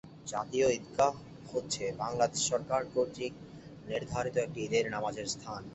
জাতীয় ঈদগাহ হচ্ছে বাংলাদেশ সরকার কতৃক নির্ধারিত একটি ঈদের নামাজের স্থান।